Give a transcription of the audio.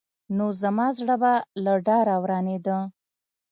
نو زما زړه به له ډاره ورانېده.